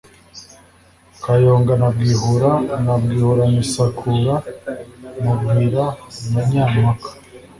Kayonga ka Bwihura na Bwihuramisakura mu Bwira na Nyampaka